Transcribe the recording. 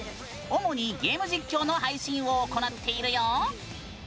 主にゲーム実況の配信を行っているよ。